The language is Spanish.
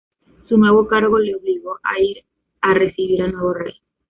Su nuevo cargo le obligó a ir a recibir al nuevo rey.